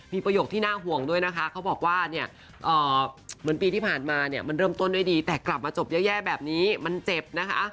มีประโยคที่น่าห่วงด้วยนะคะเขาบอกว่าเนี่ยเหมือนปีที่ผ่านมาเนี่ยมันเริ่มต้นด้วยดีแต่กลับมาจบแย่แบบนี้มันเจ็บนะคะ